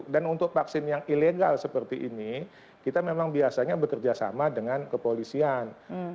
dan untuk vaksin yang ilegal seperti ini kita memang biasanya bekerjasama dengan kepolisian